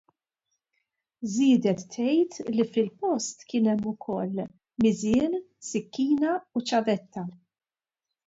Żiedet tgħid li fil-post kien hemm ukoll miżien, sikkina u ċavetta.